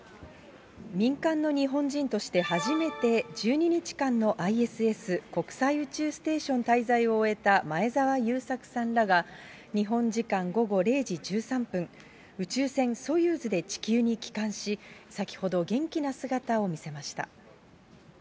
民間の日本人として初めて１２日間のＩＳＳ・国際宇宙ステーション滞在を終えた前澤友作さんらが、日本時間午後０時１３分、宇宙船ソユーズで地球に帰還し、先ほど、元気な姿を見せました。